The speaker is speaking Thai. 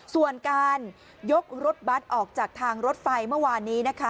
ส่วนการยกรถบัตรออกจากทางรถไฟเมื่อวานนี้นะคะ